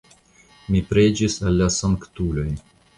Mi preĝis al la sanktuloj.